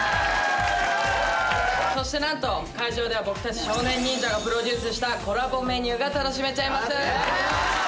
そしてなんと会場では僕たち少年忍者がプロデュースしたコラボメニューが楽しめちゃいます！